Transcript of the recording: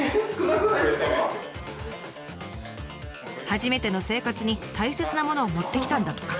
初めての生活に大切なものを持ってきたんだとか。